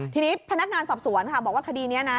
ทีนี้พนักงานสอบสวนค่ะบอกว่าคดีนี้นะ